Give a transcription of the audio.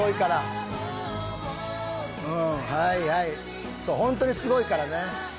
うんはいはいホントにすごいからね